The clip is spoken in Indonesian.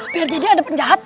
biar jadi ada penjahat